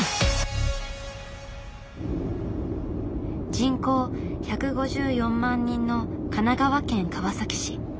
人口１５４万人の神奈川県川崎市。